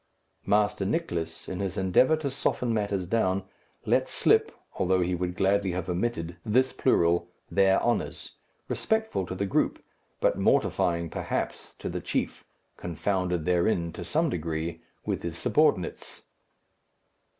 Master Nicless, in his endeavour to soften matters down, let slip, although he would gladly have omitted, this plural, "their honours" respectful to the group, but mortifying, perhaps, to the chief, confounded therein, to some degree, with his subordinates.